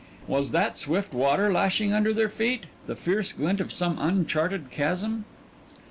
Was that swift water lashing under their feet the fierce glint of some uncharted chasm?